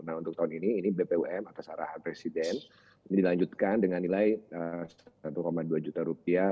nah untuk tahun ini ini bpom atas arahan presiden ini dilanjutkan dengan nilai satu dua juta rupiah